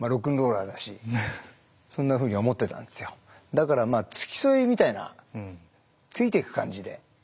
だからまあ付き添いみたいなついていく感じで。